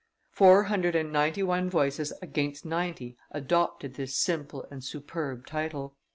Four hundred and ninety one voices against ninety adopted this simple and superb title.